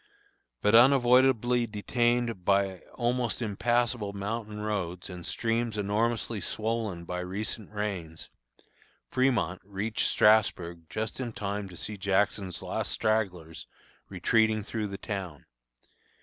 But unavoidably detained by almost impassable mountain roads and streams enormously swollen by recent rains, Fremont reached Strasburg just in time to see Jackson's last stragglers retreating through the town.